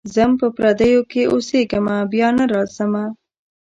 ځم په پردیو کي اوسېږمه بیا نه راځمه.